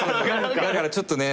だからちょっとね